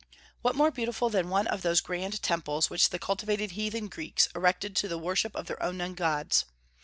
What more beautiful than one of those grand temples which the cultivated heathen Greeks erected to the worship of their unknown gods!